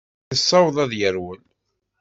Yessaweḍ ad d-yerwel.